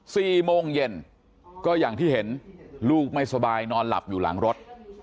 สี่โมงเย็นก็อย่างที่เห็นลูกไม่สบายนอนหลับอยู่หลังรถ